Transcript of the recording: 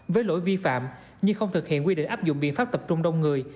với lỗi vi phạm như không thực hiện quy định áp dụng biện pháp tập trung đông người